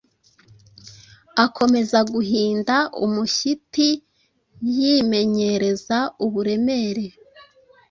akomeza guhinda umuhyiti, yimenyereza uburemere